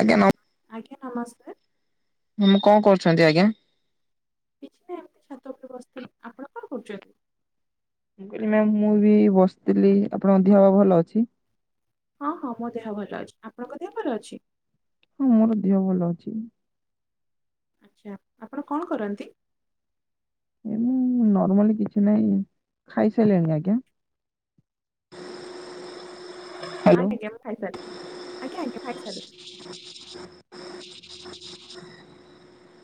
ଆଜ୍ଞା ମାମ। ଆଜ୍ଞା ନମସ୍କାର। ମୁଁ କଣ କରୁଛନ୍ତି ଆଜ୍ଞା? କିଛି ନା ଏମିତି ଛାତ ଉପରେ ବସିଥିଲି। ଆପଣ କଣ କରୁଚନ୍ତି? ମୁଁ କହିଲି ମ୍ୟା ମୁଁ ବି ବସିଥିଲି। ଆପଣଙ୍କ ଦେହ ଭଲ ଅଛି? ହଁ ହଁ ମୋ ଦେହ ଭଲ ଅଛି। ଆପଣଙ୍କ ଦେହ ଭଲ ଅଛି? ହଁ ମୋର ଦେହ ଭଲ ଅଛି। ଆଚ୍ଛା ଆପଣ କଣ କରନ୍ତି? ଏ ମୁଁ ନର୍ମାଲି କିଛି ନାହିଁ। ଖାଇସାଇଲେଣି ଆଜ୍ଞା? ହ୍ୟାଲୋ। ଆଜ୍ଞା ମୁଁ ଖାଇ ସାରିଲିଣି। ଆଜ୍ଞା ଆଜ୍ଞା ଖାଇ ସାରିଲିଣି। [inaudible]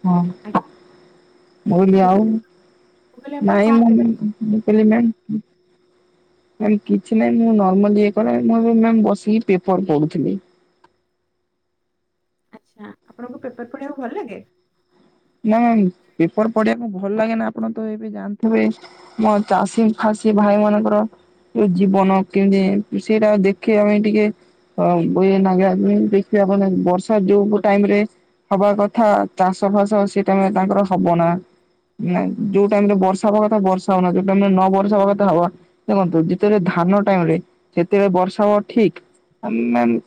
ହଁ ଆଜ୍ଞା ମୁଁ ହଁ କଲି ଆଉ କହିଲି ମୁଁ କହିଲି ଆପଣ ନାଇଁ କଣ ମ କରନ୍ତି? [unintelligible] ମୁଁ କିଲ ମ୍ୟାମ୍ ମାମ କିଛି ନାହିଁ ମୁଁ ନର୍ମାଲି ଇଏ କରେ। ମୁଁ ଏବେ ମ୍ୟାମ ବସିକି ପେପର୍ ପଢୁଥିଲି। ଆଚ୍ଛା ଆପଣଙ୍କୁ ପେପର ପଢ଼ିବାକୁ ଭଲ ଲାଗେ? ନା ମାମ ପେପର ପଢିବାକୁ ଭଲ ଲାଗେ ନା ଆପଣ ତ ଏବେ ଜାଣୁଥିବେ ମୋ ଚାଷୀ ଫାସିୀ ଭାଇ ମାନଙ୍କର ଜୀବନ କେମିତି ସେଇଟା ଦେଖିବା ପାଇଁ ଟିକେ ହଁ ବ ନାଗ ଦେଖିବେ ଆପ ବର୍ଷା ଯୋଉ ଟାଇମ ରେ ହବା କଥା ଚାଷ ଫାସ ସେଇଟାମି ରେ ତାଙ୍କର ହବ ନା। ନାଇଁ ଯୋଉ ଟାଇମ ରେ ବର୍ଷା ହବା କଥା ବର୍ଷା ହବନା ଯୋଉ ଟାଇମ ରେ ନ ବର୍ଷା ହେବା କଥା ହବ। ଦେଖନ୍ତୁ ଯେତେବେଳେ ଧାନ ଟାଇମ ରେ ସେତେବେଳେ ବର୍ଷା ହବ ଠିକ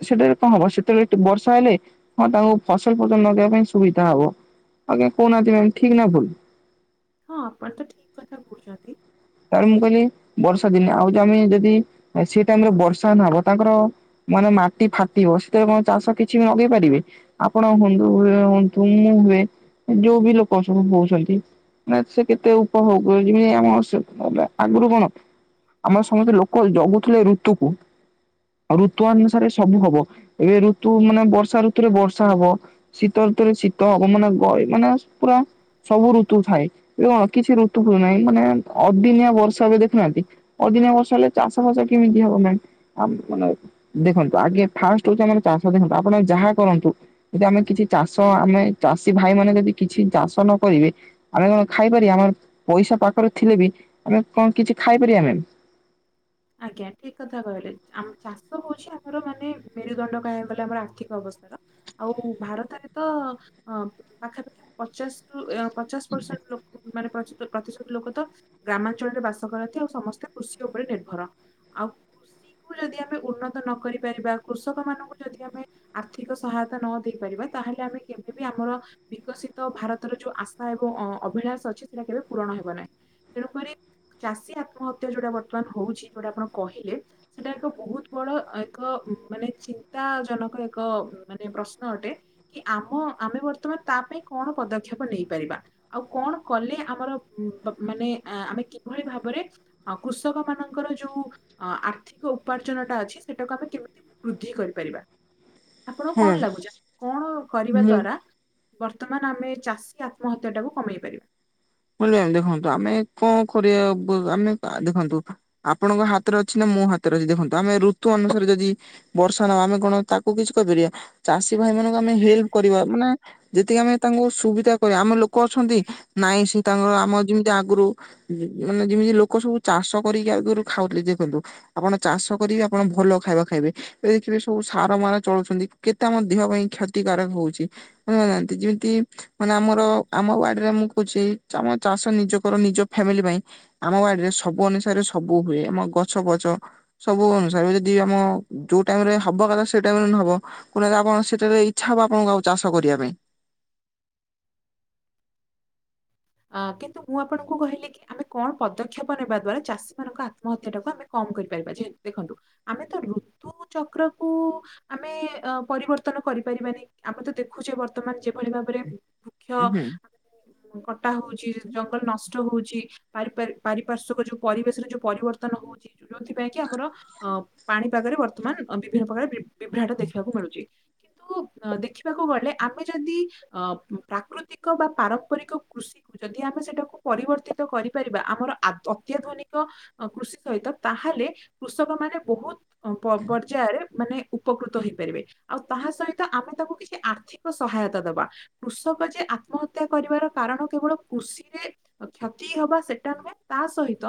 ସେଟାରେ କଣ ହବ ସେତେବେଳେ ବର୍ଷା ହେଲେ ହଁ ତାଙ୍କୁ ଫସଲ ଫସଲ ଲଗେଇବା ପାଇଁ ସୁବିଧା ହବ। ଆଜ୍ଞା କହୁନାନ୍ତି ମାମ ଠିକ ନା ଭୁଲ? ହଁ ଆପଣ ତ ଠିକ କଥା କହୁଚନ୍ତି। ତାପରେ ମୁଁ କହିଲି ବର୍ଷା ଦିନେ ଆଉ ଯ ଆମେ ଯଦି ସେ ଟାଇମରେ ବର୍ଷା ନହବ ତାଙ୍କର ମାନେ ମାଟି ଫାଟିବ ସେଥିବେଳେ କ ଚାଷ କିଛି ବି ଲଗେଇ ପାରିବେ? ଆପଣ ହୁଅନ୍ତୁ [unintelligible] ମୁଁ ହୁଏ ଯୋଉ ବି ଲୋକ ସବୁ ହଉଚନ୍ତି ନା ସେ କେତେ ଉପଭୋଗ ଯେମିତି ଆମ [unintelligible] ନଲେ ଆଗରୁ କଣ ଆମର ସମସ୍ତେ ଲୋକ ଜଗୁଥିଲେ ଋତୁକୁ। ଆଉ ଋତୁ ଅନୁସାରେ ସବୁ ହବ ଏବେ ଋତୁ ମାନେ ବର୍ଷା ଋତୁରେ ବର୍ଷା ହବ। ଶୀତ ୠତୁରେ ଶୀତ ହବ। ମାନେ ଗ ମାନେ ପୁରା ସବୁ ଋତୁ ଥାଏ ଏବେ କଣ କିଛି ଋତୁ ଫୁତୁ ନାହିଁ। ମାନେ ଅଦିନିଆ ବର୍ଷା ଏବେ ଦେଖୁନାହାନ୍ତି। ଅଦିନିଆ ବର୍ଷା ହେଲେ ଚାଷ ଫାସ କେମିତି ହବ ମ୍ୟାମ? ଆ ମାନେ ଦେଖନ୍ତୁ ଆଗେ ଫାଷ୍ଟ ହଉଚି ଆମର ଚାଷ [unintelligible] ଆପଣ ଯାହା କରନ୍ତୁ ଯଦି ଆମେ କିଛି ଚାଷ ଆମେ ଚାଷୀ ଭାଇ ମାନେ ଯଦି କିଛି ଚାଷ ନ କରିବେ ଆମେ କଣ ଖାଇପାରିବା ଆମର ପଇସା ପାଖରେ ଥିଲେ ବି ଆମେ କଣ କିଛି ଖାଇପାରିବା ମ୍ୟାମ? ଆଜ୍ଞା ଠିକ କଥା କହିଲେ। ଆମ ଚାଷ ହଉଚି ଆମର ମାନେ ମେରୁଦଣ୍ଡ କହିବାକୁ ଗଲେ ଆମର ଆର୍ଥିକ ଅବସ୍ଥାର। ଆଉ ଭାରତରେ ତ ଅ ପାଖାପାଖି ପଚାଶ ରୁ ଏ ପଚାଶ ପରସେଣ୍ଟ ଲୋକ ମାନେ ପଚା ପ୍ରତିଶତ ଲୋକ ତ ଗ୍ରାମାଞ୍ଚଳରେ ବାସ କରନ୍ତି ଆଉ ସମସ୍ତେ କୃଷି ଉପରେ ନିର୍ଭର। ଆଉ କୁ ଯଦି ଆମେ ଉନ୍ନତ ନ କରି ପାରିବା କୃଷକ ମାନଙ୍କୁ ଯଦି ଆମେ ଆର୍ଥିକ ସହାୟତା ନ ଦେଇ ପାରିବା ତାହେଲେ ଆମେ କେବେ ବି ଆମର ବିକଶିତ ଭାରତର ଯୋଉ ଆଶା ଏବଂ ଅ ଅଭିଳାସ ଅଛି ସେଇଟା କେବେ ପୂରଣ ହେବ ନାହିଁ। ତେଣୁକରି ଚାଷୀ ଆତ୍ମହତ୍ୟା ଯୋଉଟା ବର୍ତ୍ତମାନ ହଉଚି ଯୋଉଟା ଆପଣ କହିଲେ ସେଟା ଏକ ବହୁତ ବଡ ଏକ ମାନେ ଚିନ୍ତା ଜନକ ଏକ ମାନେ ପ୍ରଶ୍ନ ଅଟେ। କି ଆମ ଆମେ ବର୍ତ୍ତମାନ ତା ପାଇଁ କଣ ପଦକ୍ଷେପ ନେଇପାରିବା। ଆଉ କଣ କଲେ ଆମର ମାନେ ଆମେ କିଭଳି ଭାବରେ କୃଷକ ମାନଙ୍କ [unintelligible] ଯୋଉ ଆର୍ଥିକ ଉପାର୍ଜନଟା ଅଛି ସେଟାକୁ ଆମେ କେମିତି ବୃଦ୍ଧି କରିପାରିବା, ଆପଣଙ୍କୁ ହଁ କଣ ଲାଗୁଚି କଣ କରିବା ମୁଁ ଦ୍ଵାରା ବର୍ତ୍ତମାନ୍ ଆମେ ଚାଷୀ ଆତ୍ମହତ୍ୟା ଟାକୁ କମେଇ ପାରିବା। [unintelligible] ଦେଖନ୍ତୁ ଆମେ କଣ କରିବା ଆମେ ଦେଖନ୍ତୁ ଆପଣଙ୍କ ହାତରେ ଅଛି ନା ମୋ ହାତରେ ଅଛି, ଦେଖନ୍ତୁ ଆମେ ଋତୁ ଅନୁସାରେ ଯଦି ବର୍ଷା ନହବ ଆମେ କଣ ତାକୁ କିଛି କହିପାରିବା, ଚାଷୀ ଭାଇ ମାନଙ୍କୁ ଆମେ ହେଲ୍ପ କରିବା ମାନେ ଯେତିକି ଆମେ ତାଙ୍କୁ ସୁବିଧା କରିବା ଆମେ ଲୋକ ଅଛନ୍ତି ନାଇଁ ସେ ତାଙ୍କର ଆମ ଯେମିତି ଆଗରୁ ମାନେ ଯେମିତି ଲୋକ ସବୁ ଚାଷ କରିକି ଆଗରୁ ଖାଉଥିଲେ, ଦେଖନ୍ତୁ ଆପଣ ଚାଷ କରିକି ଆପଣ ଭଲ ଖାଇବା ଖାଇବେ। [unintelligible] ସବୁ ସାର ମାର ଚଳୁଛନ୍ତି କେତେ ଆମ ଦେହ ପାଇଁ କ୍ଷତିକାରକ ହଉଚି। [unintelligible] ଯେମିତି ମାନେ ଆମର ଆମ ବଡ଼ିରେ ମୁଁ କହୁଚି ଆମ ଚାଷ ନିଜ କର ନିଜ ଫ୍ୟାମିଲି ପାଇଁ। ଆମ ବାଡିରେ ସବୁ ଅନୁସାରେ ସବୁ ହୁଏ ଆମ ଗଛ ପଛ। ସବୁ ଅନୁସାରେ ଯଦି ଆମ ଯୋଉ ଟାଇମ୍ ରେ ହବ କଥା ସେଇ ଟାଇମ୍ ରେ ନହବ [unintelligible] ଆପଣ ସେଠାରେ ଇଚ୍ଛା ହବ ଆପଣଙ୍କୁ ଆଉ ଚାଷ କରିବା ପାଇଁ। ଅ କିନ୍ତୁ ମୁଁ ଆପଣଙ୍କୁ କହିଲି କି ଆମେ କଣ ପଦକ୍ଷେପ ନେବା ଦ୍ଵାରା ଚାଷୀ ମଙ୍କ ଆତ୍ମହତ୍ୟା ଟାକୁ ଆମେ କମ୍ କରିପାରିବା, ଯେହେତୁ ଦେଖନ୍ତୁ ଆମେ ତ ଋତୁ ଚକ୍ରକୁ ଆମେ ପରିବର୍ତ୍ତନ କରିପାରିବାନି, ଆମେ ତ ଦେଖୁଛେ ବର୍ତ୍ତମାନ ଯେଭଳି ଭାବରେ ବୃକ୍ଷ ମୁଁ କ ଟା ହଉଚି ଜଙ୍ଗଲ ନଷ୍ଟ ହଉଛି, ପାରି ପାରିପାର୍ଶ୍ୱିକ ଯୋଉ ପରିବେଶରେ ଯୋଉ ପରିବର୍ତ୍ତନ ହଉଚି। ଯୋଉଥିପାଇଁ କି ଆମର ଅ ପାଣିପାଗରେ ବର୍ତ୍ତମାନ୍ ବିଭିନ୍ନ ପ୍ରକାର ବିଭ୍ରାଟ ଦେଖିବାକୁ ମିଳୁଚି। କିନ୍ତୁ ଅ ଦେଖିବାକୁ ଗଲେ ଆମେ ଯଦି ଅ ପ୍ରାକୃତିକ ବା ପାରମ୍ପରିକ କୃଷିକୁ ଯଦି ଆମେ ସେଟାକୁ ପରିବର୍ତ୍ତିତ କରିପାରିବା ଆମର ଅତ୍ୟାଧୁନିକ ଅ କୃଷି ସହିତ ତାହେଲେ କୃଷକ ମାନେ ବହୁତ ପର୍ଯ୍ୟାୟରେ ମାନେ ଉପକୃତ ହେଇପାରିବେ, ଆଉ ତାହା ସହିତ ଆମେ ତାକୁ କିଛି ଆର୍ଥିକ ସହାୟତା ଦବା। କୃଷକ ଯେ ଆତ୍ମହତ୍ୟା କରିବାର କାରଣ କେବଳ କୃଷିରେ କ୍ଷତି ହବା ସେଟା ନୁହେଁ, ତା ସହିତ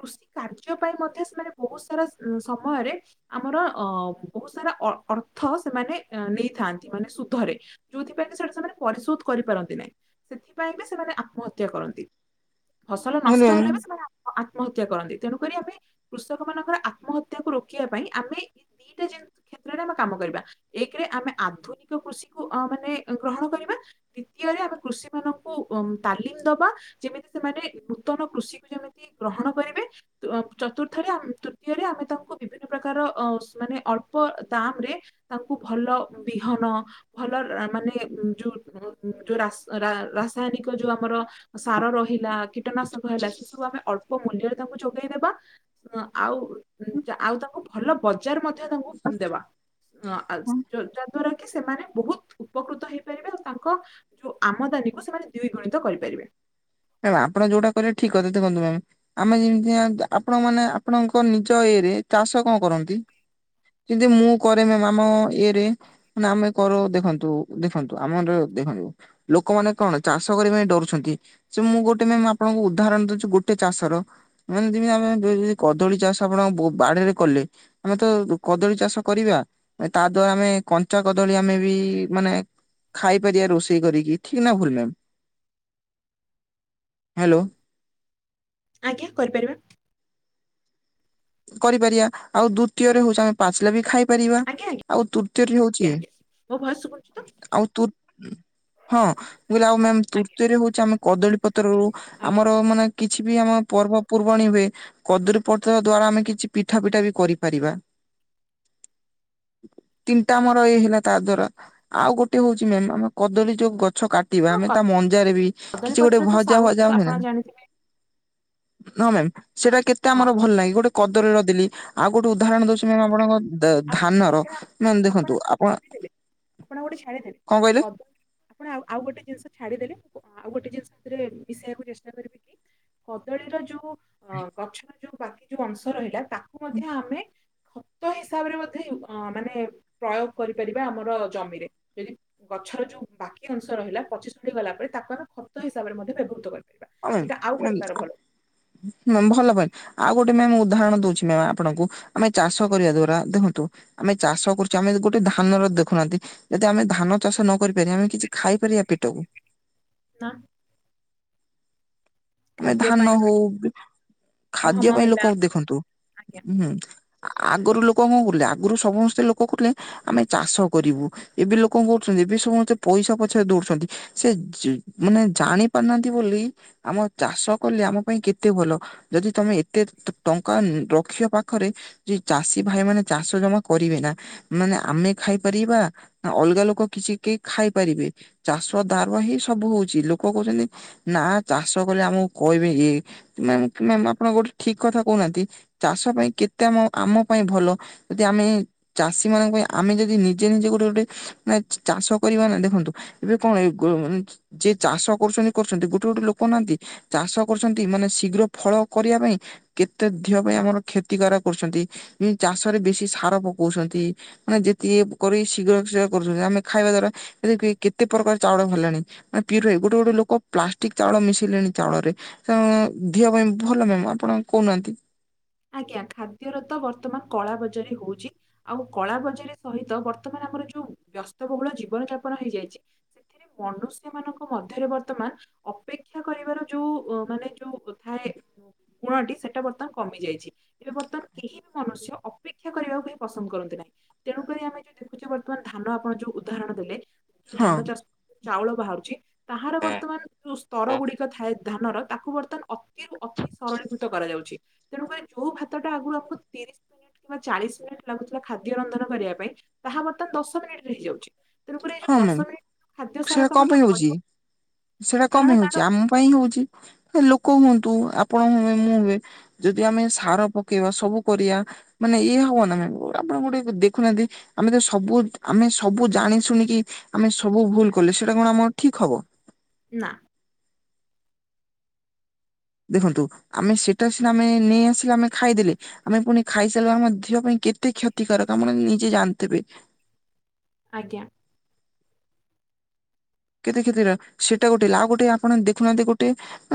କୃଷି କାର୍ଯ୍ୟ ପାଇଁ ମଧ୍ୟ ସେମାନେ ବହୁତ୍ ସାରା ସମୟରେ ଆମର ଅ ବହୁତ୍ ସାରା ଅ ଅର୍ଥ ସେମାନେ ନେଇଥାନ୍ତି ମାନେ ସୁଧରେ। ଯୋଉଥିପାଇଁ କି ସେଇଟା ସେମାନେ ପରିଶୋଧ କରିପାରନ୍ତି ନାହିଁ। ପାଇଁ ବି ସେମାନେ ଆତ୍ମହତ୍ୟା କରନ୍ତି, ଫସଲ ନଷ୍ଟ କହିଲି ହେଲେ ବି ସେମାନେ ଆତ୍ମହତ୍ୟା କରନ୍ତି, ତେଣୁକରି ଆମେ କୃଷକ ମାନଙ୍କର ଆତ୍ମହତ୍ୟାକୁ ରୋକିବା ପାଇଁ ଆମେ ଦିଟା ଜିନି କ୍ଷେତ୍ରରେ ଆମେ କାମ କରିବା। ଏକରେ ଆମେ ଆଧୁନିକ କୃଷିକୁ ମାନେ ଗ୍ରହଣ କରିବା, ଦ୍ଵିତୀୟରେ ଆମେ କୃଷି ମାନ ଙ୍କୁ ତାଲିମ ଦବା ଯେମିତି ସେମାନେ ନୂତନ କୃଷି କୁ ଯେମିତି ଗ୍ରହଣ କରିବେ। ଚତୁର୍ଥରେ, ତୃତୀୟରେ ଆମେ ତାଙ୍କୁ ବିଭିନ୍ନ ପ୍ରକାର ମାନେ ଅଳ୍ପ ଦାମ୍ ରେ ତାଙ୍କୁ ଭଲ ବିହନ ଭଲ ମାନେ ଯୋଉ-ଯୋଉ ରାସ୍ ରାସାୟନିକ ଯୋଉ ଆମର ସାର ରହିଲା କୀଟନାଶକ ହେଲା ସେ ସବୁ ଆମେ ଅଳ୍ପ ମୂଲ୍ୟରେ ତାଙ୍କୁ ଯୋଗେଇଦେବା। ଆଉ-ଆଉ ତାଙ୍କୁ ଭଲ ବଜାର୍ ମଧ୍ୟ ତାଙ୍କୁ ଦେବା। ଅ ଯାହା ଦ୍ଵାରା କି ସେମାନେ ବହୁତ୍ ଉପକୃତ ହେଇପାରିବେ, ଆଉ ତାଙ୍କ ଯୋଉ ଆମଦାନୀକୁ ସେମାନେ ଦ୍ୱିଗୁଣିତ କରିପାରିବେ। ମ୍ୟାମ୍ ଆପଣ ଯୋଉଟା କହିଲେ ଠିକ୍ କଥା, ଦେଖନ୍ତୁ ମ୍ୟାମ୍ ଆମେ ଯେମିତି ଆପଣ ମାନେ ଆପଣଙ୍କ ନିଜ ଇଏରେ ଚାଷ କଣ କରନ୍ତି। ଜେନ୍ତି ମୁଁ କରେ ମ୍ୟାମ୍ ଇଏରେ। ମାନ ଆମେ କରଉ ଦେଖନ୍ତୁ-ଦେଖନ୍ତୁ ଆମର ଦେଖନ୍ତୁ ଲୋକମାନେ କଣ ଚାଷ କରିବା ପାଇଁ ଡରୁଛନ୍ତି। ଯେ ମୁଁ ଗୋଟେ ମ୍ୟାମ୍ ଆପଣଙ୍କୁ ଉଦାହରଣ ଦଉଛିୁ ଗୋଟେ ଚାଷର। ମାନେ ଯେମିତି ଆମେ [unintelligible] କଦଳୀ ଚାଷ ଆପଣଙ୍କ ବୁ ବାଡ଼ିରେ କଲେ। ଆମେ ତ ଡୁ କଦଳୀ ଚାଷ କରିବା। ତା ଦ୍ୱାରା ଆମେ କଞ୍ଚା କଦଳୀ ଆମେ ବି ମାନେ ଖାଇପାରିବା ରୋଷେଇ କରିକି ଠିକ ନା ଭୁଲ ମାମ ହ୍ୟାଲୋ ଆଜ୍ଞା କରିପାରିବା। କରିପାରିବା, ଆଉ ଦ୍ଵିତୀୟରେ ହଉଛି ଆମେ ପାଚିଲ ବି ଖାଇ ପାରିବା ଆଜ୍ଞା ଆଜ୍ଞା ଆଉ ତୃତୀୟରେ ହଉଛି ଆଜ୍ଞା ଆଜ୍ଞା ମୋ ଭୟସ ଶୁଭୁଚି ଆଉ ତୁ ହଁ ମୁ କହିଲି ଆଉ ମ୍ୟାମ ଆଜ୍ଞା ତୃତୀୟରେ ହଉଛି ଆମେ କଦଳୀ ପତ୍ରରୁ ଆଜ୍ଞା ଆମର ମାନେ କିଛି ବି ଆମ ପର୍ବପର୍ବାଣିୀ ହୁଏ କଦଳୀ ପତ୍ର ଦ୍ଵାରା ଆମେ କିଛି ପିଠା ପିଠା ବି କରିପାରିବା। ତିନିଟା ଆମର ଏଇ ହେଲା ତା ଦ୍ଵାରା ଆଉ ଗୋଟେ ହଉଛି ମ୍ୟାମ ଆମେ କଦଳୀ ଯୋଉ ଗଛ କା ଟିବା ହଁ ଆମେ ତା ମଞ୍ଜା ରେ ବି କଦଳୀ କିଛି ଗୋଟେ ପତ୍ର ତ ଭଜା ସାଉଥ ଫଜା ଆପଣ ହୁଏନା ଜାଣିଥିବେ ହଁ ମ୍ୟାମ୍ ସେଇଟା କେତେ ହଁ ଆମର ଭଲ ଲାଗେ ଗୋଟେ କଦରୀ ର ଦିଲି ଆଉ ଗୋଟେ ଉଦାହରଣ ଦଉଛି ମ୍ୟାମ୍ ଆପଣଙ୍କ ଦ ଆପଣ ଧାନର ଆପଣ ମ ଦେଖନ୍ତୁ ଆପଣ, ଆପଣ ଗୋଟେ ଛାଡ଼ିଦେବେ କଣ କହିଲେ? କଦଳୀ ଆପଣ ଆଉ ଆଉ ଗୋଟେ ଜିନିଷ ଛାଡିଦେଲେ ମୁଁ ଆଉ ଗୋଟେ ଜିନିଷ ସେଥିରେ ମିଶେଇବାକୁ ଚେଷ୍ଟା କରିବି କି କଦଳୀର ଯୋଉ ଅ ଗଛର ଯୋଉ ବାକି ଯୋଉ ଅଂଶ ରହିଲା ତାକୁ ମଧ୍ୟ ଆମେ ଖତ ହି ହିସାବରେ ମଧ୍ୟ ମାନେ ପ୍ରୟୋଗ କରିପାରିବା ଆମର ଜମିରେ [unintelligible] ଗଛର ଯୋଉ ବାକି ଅଂଶ ରହିଲା ପଚିଶଢ଼ି ଗଲା ପରେ ତାକୁ ଆମେ ଖତ ହିସାବରେ ମଧ୍ୟ ବ୍ୟବହୃତ କରି [unintelligible] ଭଲ ପଇଁଟ ଆଉ ଗୋଟେ ମ୍ୟାମ୍ ଉଦାହରଣ ଦଉଛି ମ୍ୟାମ ଆପଣଙ୍କୁ ଆମେ ଚାଷ କରିବା ଦ୍ଵାରା ଦେଖନ୍ତୁ ଆମେ ଚାଷ କରୁଛେ ଆମେ ଗୋଟେ ଧାନର ଦେଖୁନାହାନ୍ତି ଯଦି ଆମେ ଧାନ ଚାଷ ନ କରିପାରିବା ଆମେ କିଛି ଖାଇପାରିବା ପେଟକୁ? ନା ଆମେ ଖାଦ୍ୟ ଧାନ ପାଇଁ ହଉ ଖାଦ୍ୟ ଗହମ ପାଇଁ ଲୋକ ହେଲା ଦେଖନ୍ତୁୁ ଆଜ୍ଞା। ହୁଁ ଆଗରୁ ଲୋକ କଣ କରୁଥିଲେ ଆଗରୁ ସମସ୍ତେ ଲୋକ କଥିଲେ ଆମେ ଚାଷ କରିବୁ ଏବେ ଲୋକ କରୁଛନ୍ତି ଏବେ ସମସ୍ତେ ପଇସା ପଛରେ ଦୌଡୁଛନ୍ତି। ସେ ଯେ ମାନେ ଜାଣି ପାରୁନାହାନ୍ତି ବୋଲି ଆମ ଚାଷ କଲେ ଆମ ପାଇଁ କେତେ ଭଲ, ଯଦି ତମେ ଏତେ ଟଙ୍କା ରଖିବ ପାଖରେ ଯେ ଚାଷୀ ଭାଇ ମାନେ ଚାଷ ଜମା କରିବେ ନା ମାନେ ଆମେ ଖାଇପାରିବା ନା ଅଲଗା ଲୋକ କିଛି କେହି ଖାଇପାରିବେ। ଚାଷ ଦ୍ୱାରା ହିଁ ସବୁ ହଉଛି ଲୋକ କହୁଛନ୍ତି ନା ଚାଷ କଲେ ଆମକୁ କହିବେୟେ ମ୍ୟାମ ମ୍ୟାମ ଆପଣ ଗୋଟେ ଠିକ କଥା କହୁନାହାନ୍ତି ଚାଷ ପାଇଁ କେତେ ଆମ ଆମ ପାଇଁ ଭଲ ଯଦି ଆମେ ଚାଷୀ ମାନଙ୍କ ପାଇଁ ଆମେ ଯଦି ନିଜେ ନିଜେ ଗୋଟେ ଗୋଟେ ମାନେ ଚାଷ କରିବା ନା ଦେଖନ୍ତୁ ଏବେ କଣ ଏ ଯିଏ ଚାଷ କରୁଛନ୍ତି କରୁଛନ୍ତି ଗୋଟେ ଗୋଟେ ଲୋକ କନାନ୍ତି ଚାଷ କରୁଛନ୍ତି ମାନେ ଶୀଘ୍ର ଫଳ କରିବା ପାଇଁ କେତେ ଦିହ ପାଇଁ ଆମର କ୍ଷତିକାର କରୁଛନ୍ତି ଚାଷରେ ବେଶୀ ସାର ପକଉଛନ୍ତି। ମାନେ ଯେତିକି କରି ଶୀଘ୍ର ଶୀଘ୍ର କରୁଛନ୍ତି। ଆମେ ଖାଇବା ଦ୍ଵାରା କେତେ ପ୍ରକାର ଚାଉଳ ବାହାରିଲାଣି [unintelligible] ଗୋଟେ ଗୋଟେ ଲୋକ ପ୍ଲାଷ୍ଟିକ ଚାଉଳ ମିଶିଲେଣି ଚାଉଳରେ [unintelligible] ଦିହ ପାଇଁ ଭଲ ମ୍ୟାମ ଆପଣ କହୁନାହାନ୍ତି ଆଜ୍ଞା ଖାଦ୍ୟର ତ ବର୍ତ୍ତମାନ କଳା ବଜାରି ହଉଛି। ଆଉ କଳା ବଜାରୀ ସହିତ ବର୍ତ୍ତମାନ ଆମର ଯୋଉ ବ୍ୟସ୍ତବହୁଳ ଜୀବନ ଯାପନ ହେଇଯାଇଛି। ମନୁଷ୍ୟ ମାନଙ୍କ ମଧ୍ୟରେ ବର୍ତ୍ତମାନ ଅପେକ୍ଷା କରିବାର ଯୋଉ ମାନେ ଯୋଉ ଥାଏ ଗୁଣଟି ସେଟା ବର୍ତ୍ତମାନ କମି ଯାଇ ଛି ଏବେ ବର୍ତ୍ତମାନ କେହି ବି ମନୁଷ୍ୟ ଅପେକ୍ଷା କରିବାକୁ କେହି ପସନ୍ଦ କରନ୍ତି ନାହିଁ। ତେଣୁକରି ଆମେ ଯୋଉ ଦେଖୁଛେ ବର୍ତ୍ତମାନ ଧାନ ଆପଣ ଯୋଉ ଉଦାହରଣ ଦେଲେ ଯୋଉ ହଁ। ଧାନ ଚାଷ ଯୋଉ ଚାଉଳ ବାହାରୁଛି ତାହାର ବର୍ତ୍ତମାନ ଯୋଉ ସ୍ତର ହଁ ଗୁଡିକ ଥାଏ ଧାନର ତାକୁ ବର୍ତ୍ତମାନ ଅତିରୁ ଅତି ସରଳୀକୃତ କରାଯାଉଛି। ତେଣୁକରି ଯୋଉ ଭାତଟା ଆଗରୁ ଆପଣ ତିରିଶ [unintelligible] କିମ୍ବା ଚାଳିଶ ମିନିଟ ଲାଗୁଥିଲା ଖାଦ୍ୟ ରନ୍ଧନ କରିବା ପାଇଁ ତାହା ବର୍ତ୍ତମାନ ଦଶ ମିନିଟ ରେ ହେଇଯାଉଛି। ତେଣୁକରି ଏଇ ଯୋଉ ହଁ ଦଶ ମ୍ୟାମ ମିନିଟ ଖାଦ୍ୟ ସେଟା ସାରକୁ ଆମେ କମ ଯୋଉ ଯାଉଛି ପଡିବ ସେଟା କମ କାରଣ ହଉଛି ତାର ଆମ ପାଇଁ ହଉଛି ଲୋକ ହୁଅନ୍ତୁ ଆପଣ ହୁଏ ମୁଁ ହୁଏ। ଯଦି ଆମେ ସାର ପକେଇବା ସବୁ କରିବା ମାନେ ଇଏ ହବ ନା ମ୍ୟାମ ଆପଣ ଗୋଟେ ଦେଖୁନାହାନ୍ତି ଆମେ ତ ସବୁ ଆମେ ସବୁ ଜାଣି ଶୁଣି କି ଆମେ ସବୁ ଭୁଲ କଲେ ସେଇଟା କଣ ଆମର ଠିକ ହବ। ନା। ଦେଖନ୍ତୁ ଆମେ ସେଇଟା ସିନା ଆମେ ନେଇ ଆସିଲେ ଆମେ ଖାଇଦେଲେ। ଆମେ ପୁଣି ଖାଇସାରୁ ଆର ଆମ ଦେହ ପାଇଁ କେତେ କ୍ଷତିକାରକ ଆମର ନିଜେ ଜାଣିଥିବେ। ଆଜ୍ଞା। କେତେ କ୍ଷେତିର ସେଇଟା ଗୋଟେ ଆଉ ଗୋଟେ ଆପଣ ଦେଖୁନାହାନ୍ତି ଗୋଟେ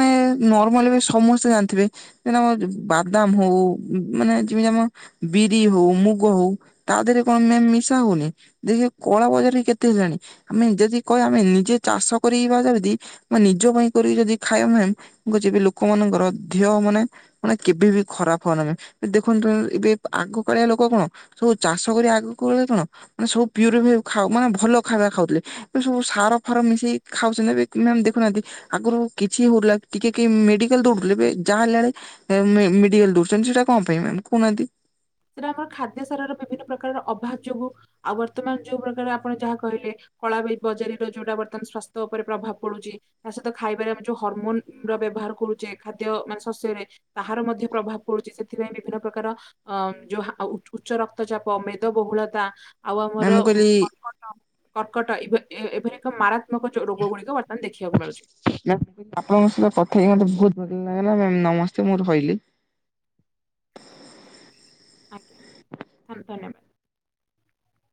ଏ ନର୍ମାଲ ବି ସମସ୍ତେ ଜାଣିଥିବେ। ଯେମିତି ଆମ ବାଦାମ ହଉ ମାନେ ଯେମିତି ଆମ ବିରି ହଉ ମୁଗ ହଉ ତା ଦେହରେ କଣ ମ୍ୟାମ ମିଶା ହଉନି। ଦେଖ କଳା ବଜାରରେ କେତେ ହେଲାଣି ଆମେ ଯଦି କହିବା ଆମେ ନିଜେ ଚାଷ କରିବା ଯେମିତି ମାନେ ନିଜ ପାଇଁ କରିକି ଯଦି ଖାଇବା ମ୍ୟାମ [unintelligible] ଆମେ ଲୋକମାନଙ୍କର ଦେହ ମାନେ ମାନେ କେବେ ବି ଖରାପ ହଅ [unintelligible] ନି ମ୍ୟାମ ଦେଖନ୍ତୁ ଏବେ ଆଗ କାଳିଆ ଲୋକ କଣ ସବୁ ଚାଷ କରି ଆଗକୁ କାଳେ କଣ ମାନେ ସବୁ ପିଓର ମାନେ ଭଲ ଖାଇବା ଖାଉଥିଲେ ଏ ସବୁ ହାର ଫାର ମିଶେଇ ଖାଉଛନ୍ତି ଏବେ [unintelligible] ମ୍ୟାମ ଦେଖୁନାହାନ୍ତି। ଆଗରୁ କିଛି ହଉଥିଲା ଟିକେ କେହି ମେଡିକାଲ ଦୌଡୁଥିଲେ ଏବେ ଯାହା ହେଲାଣି ସେ ମେ-ମେଡିକାଲ ଦଉଡୁଛନ୍ତି ସେଇଟା କଣ ପାଇଁ ମ୍ୟାମ କହୁନାହାନ୍ତି। ସେଇଟା ଆମର ଖାଦ୍ୟ ସାରର ବିଭିନ୍ନ ପ୍ରକାରର ଅଭାବ ଯୋଗୁ ଆଉ ବର୍ତମାନ ଯୋଉ ପ୍ରକାର ଆପଣ ଯାହା କହିଲେ କଳା ବଜାରୀର ଯୋଉଟା ବର୍ତ୍ତମାନ ସ୍ୱାସ୍ଥ୍ୟ ଉପରେ ପ୍ରଭାବ ପଡୁଛି। ତା ସହିତ ଖାଇବାରେ ଆମେ ଯୋଉ ହରମୋନ ର ବ୍ୟବହାର କରୁଛେ ଖାଦ୍ୟ ମାନେ ଶସ୍ୟରେ ତାହାର ମଧ୍ୟ ପ୍ରଭାବ ପଡୁଛି ସେଥିପାଇଁ ବିଭିନ୍ନ ପ୍ରକାର ଅ ଯୋଉ ଉ-ଉଚ୍ଚ ରକ୍ତଚାପ ମେଦବହୁଳତା ଆଉ ମ୍ୟାମ୍ ଆମର ମୁଁ ଉଁ କହିଲି କର୍କଟ [unintelligible] କର୍କଟ ଏ ଏଭଳି ଏକ ମାରାତ୍ମକ ଚ ରୋଗ ଗୁଡିକ ବର୍ତ୍ତମାନ ଦେଖିବାକୁ ମିଳୁଛି। ମ୍ୟାମ ଆପଣଙ୍କ ସହିତ କଥା ହେଇକି ମତେ ବହୁତ ଭଲ ଲାଗିଲା ମ୍ୟାମ ନମସ୍ତେ ମୁଁ ରହିଲି। ଆଜ୍ଞା ଧନ୍ୟବାଦ ମ୍ୟାମ।